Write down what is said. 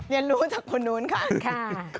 เรียนรู้จากคนนู้นค่ะ